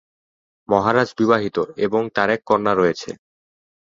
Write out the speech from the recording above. মহারাজ বিবাহিত এবং তার এক কন্যা রয়েছে।